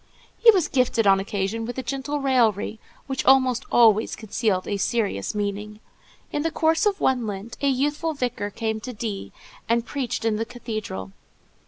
He was gifted, on occasion, with a gentle raillery, which almost always concealed a serious meaning. In the course of one Lent, a youthful vicar came to D——, and preached in the cathedral.